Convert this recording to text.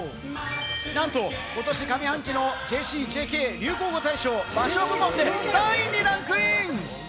なんとことし上半期のＪＣ・ＪＫ流行語大賞バショ部門で３位にランクイン！